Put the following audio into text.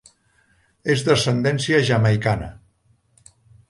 És d'ascendència jamaicana.